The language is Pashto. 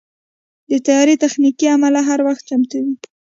د طیارې تخنیکي عمله هر وخت چمتو وي.